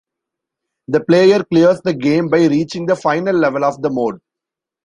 The player clears the game by reaching the final level of the mode.